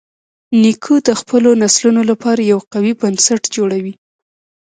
نیکه د خپلو نسلونو لپاره یو قوي بنسټ جوړوي.